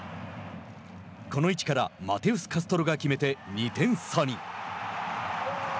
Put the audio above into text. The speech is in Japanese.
この位置からマテウス・カストロが決めて２点差に。